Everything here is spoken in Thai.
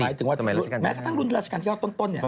หมายถึงว่าแม้กระทั่งรุ่นรัชกาลที่เราต้นเนี่ย